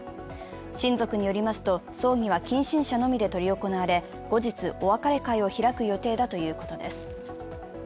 親族によりますと、葬儀は近親者のみで執り行われ後日、お別れ会を開く予定だということです。